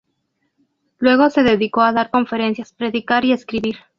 Luego se dedicó a dar conferencias, predicar y escribir.